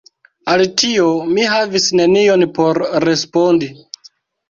Al tio, mi havis nenion por respondi.